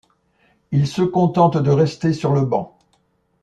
Il se contente de rester sur le banc.